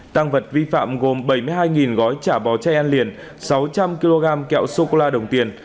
tăng vật vi phạm gồm bảy mươi hai gói trả bò chay ăn liền sáu trăm linh kg kẹo sô cô la đồng tiền